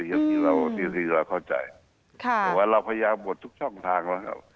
อย่างที่เราเข้าใจแต่ว่าเราพยายามหมดทุกช่องทางแล้วครับ